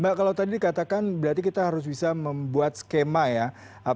mbak kalau tadi dikatakan berarti kita harus bisa membuat skema ya